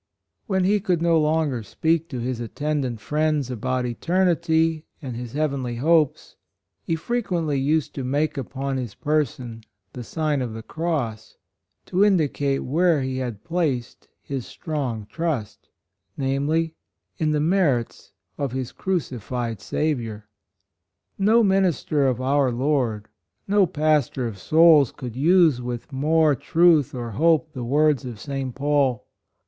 When he could no longer speak to his attendant friends about eternity and his heav enly hopes, he frequently used to 140 HIS HAPPY DEATH, make upon his person the sign of the cross — to indicate where he had placed his strong trust, viz: in the merits of his crucified Saviour. No minister of our Lord — no pastor of souls could use with more truth or hope the words of St. Paul.